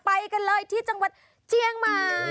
ไปกันเลยที่จังหวัดเจียงมา